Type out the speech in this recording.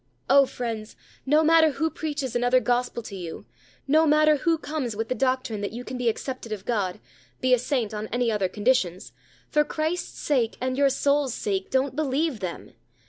Oh! friends, no matter who preaches another Gospel to you; no matter who comes with the doctrine that you can be accepted of God be a saint on any other conditions. For Christ's sake and your soul's sake, don't believe them.